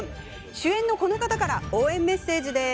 主演のこの方から応援メッセージです。